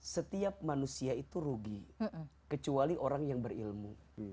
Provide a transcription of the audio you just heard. setiap manusia itu rugi kecuali orang yang berilmu